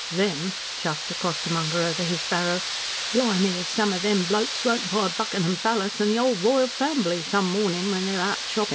"Them!" chaffed a costermonger over his barrow. "Blimme, if some o' them blokes won't buy Buckin'am Pallis an' the 'ole R'yal Fambly some mornin' when they're out shoppin'."